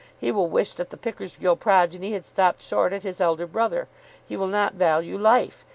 He will wish that the Pickersgill progeny had stopped short at his elder brother. He will not value life.